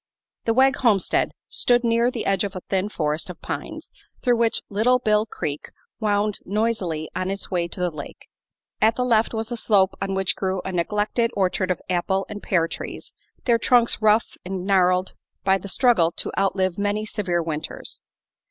The Wegg homestead stood near the edge of a thin forest of pines through which Little Bill Creek wound noisily on its way to the lake. At the left was a slope on which grew a neglected orchard of apple and pear trees, their trunks rough and gnarled by the struggle to outlive many severe winters.